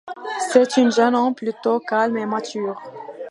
C'est un jeune homme plutôt calme et mature.